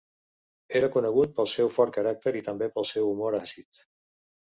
Era conegut pel seu fort caràcter i també pel seu humor àcid.